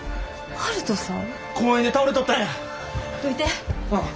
悠人さん！